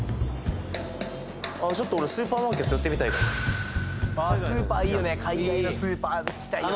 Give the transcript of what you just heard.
ちょっと俺スーパーマーケット寄ってみたいスーパーいいよね海外のスーパー行きたいよね